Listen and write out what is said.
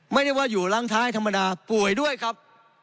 ไม่ได้ว่าอยู่ล้างท้ายธรรมดาป่วยด้วยครับ